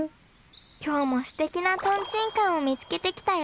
今日もすてきなトンチンカンを見つけてきたよ。